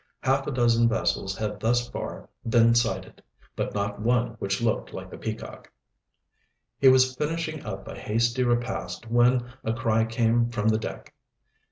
Half a dozen vessels had thus far been sighted, but not one which looked like the Peacock. He was finishing up a hasty repast when a cry came from the deck.